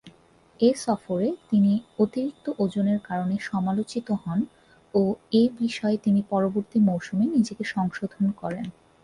এ সফরে তিনি অতিরিক্ত ওজনের কারণে সমালোচিত হন ও এ বিষয়ে তিনি পরবর্তী মৌসুমে নিজেকে সংশোধন করেন।